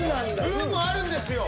運もあるんですよ。